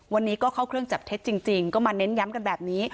วันนี้ก็เข้าเครื่องจับเท็จจริงก็มาเน้นย้ำกันแบบนี้